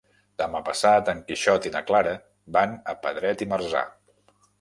Demà passat en Quixot i na Clara van a Pedret i Marzà.